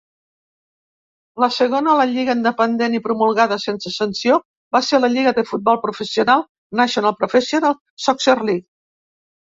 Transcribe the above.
La segona, la lliga independent i promulgada sense sanció, va ser la lliga de futbol professional National Professional Soccer League.